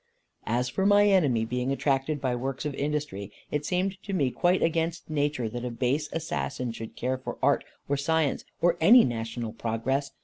As for my enemy being attracted by works of industry, it seemed to me quite against nature that a base assassin should care for art or science, or any national progress.